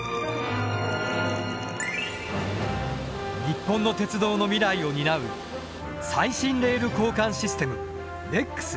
日本の鉄道の未来を担う最新レール交換システム